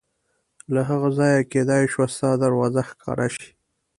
له هغه ځایه کېدای شوه ستا دروازه ښکاره شي.